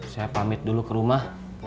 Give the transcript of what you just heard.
saya pamit dulu ke rumah